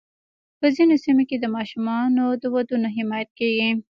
په ځینو سیمو کې د ماشومانو د ودونو حمایت کېږي.